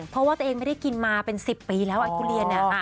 เพราะว่าตัวเองไม่ได้กินมาเป็น๑๐ปีแล้วไอ้ทุเรียนเนี่ย